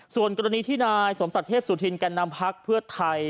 ส่วนกรณีที่นายสมศักดิ์เทพสุธินแก่นำพักเพื่อไทย